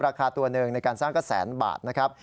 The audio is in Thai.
ราคาตัวหนึ่งในการสร้างก็แสนบาทนะครับ